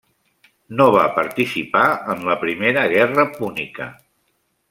No va participar en la Primera Guerra Púnica.